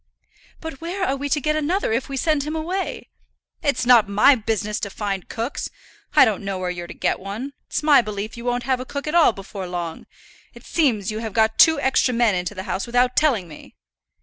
"But where are we to get another if we send him away?" "It's not my business to find cooks. I don't know where you're to get one. It's my belief you won't have a cook at all before long. It seems you have got two extra men into the house without telling me."